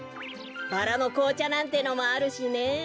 バラのこうちゃなんてのもあるしね。